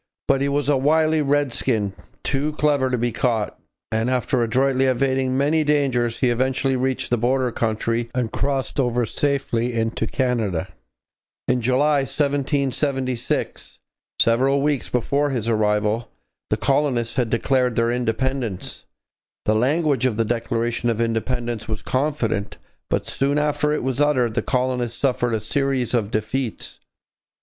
But he was a wily redskin, too clever to be caught, and after adroitly evading many dangers he eventually reached the border country and crossed over safely into Canada. In July 1776, several weeks before his arrival, the colonists had declared their independence. The language of the Declaration of Independence was confident, but soon after it was uttered the colonists suffered a series of defeats.